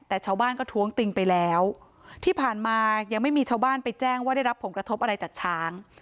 แต่ชาวบ้านก็ท้วงติงไปแล้วที่ผ่านมายังไม่มีชาวบ้านไปแจ้งว่าได้รับผลกระทบอะไรจากช้าง